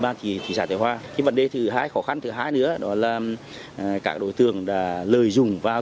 ban thị xã thái hoa cái vấn đề thứ hai khó khăn thứ hai nữa đó là các đối tượng đã lợi dụng vào